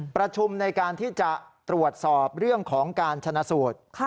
ประชุมในการที่จะตรวจสอบเรื่องของการชนะสูตร